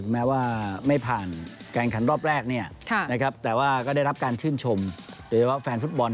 แม้ว่าไม่ผ่านการขันรอบแรกเนี่ยนะครับแต่ว่าก็ได้รับการชื่นชมโดยเฉพาะแฟนฟุตบอล